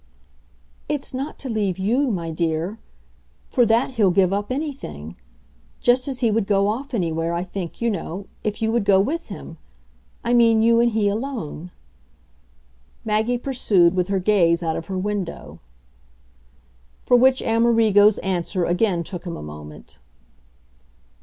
"It's not to leave YOU, my dear for that he'll give up anything; just as he would go off anywhere, I think, you know, if you would go with him. I mean you and he alone," Maggie pursued with her gaze out of her window. For which Amerigo's answer again took him a moment.